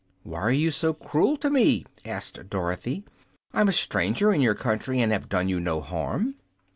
"Why are you so cruel to me?" asked Dorothy. "I'm a stranger in your country, and have done you no harm."